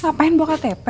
ngapain buah ktp